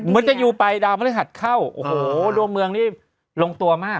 มนุษยุไปดาวมนุษยฮัตเข้าโอ้โหดวงเมืองนี่ลงตัวมาก